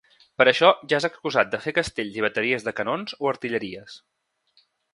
Per això ja és excusat de fer castells i bateries de canons, o artilleries.